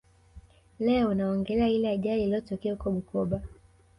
Leo naongelea ile ajali ilotokea huko Bukoba